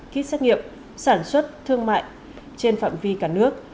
kit xét nghiệm sản xuất thương mại trên phạm vi cả nước